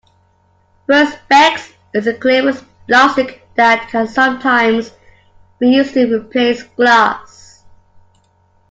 Perspex is a clear plastic that can sometimes be used to replace glass